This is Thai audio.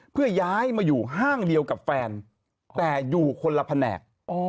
เพื่อย้ายมาอยู่ห้างเดียวกับแฟนแต่อยู่คนละแผนก